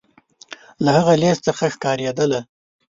له هغه لیست څخه ښکارېدله.